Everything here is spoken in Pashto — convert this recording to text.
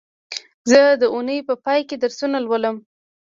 زه د اونۍ په پای کې درسونه لولم